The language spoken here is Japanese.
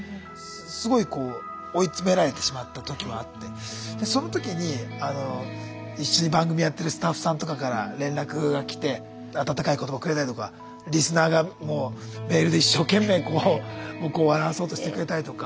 すごい追いつめられてしまった時もあってその時に一緒に番組やってるスタッフさんとかから連絡がきて温かい言葉をくれたりとかリスナーがメールで一生懸命僕を笑わそうとしてくれたりとか。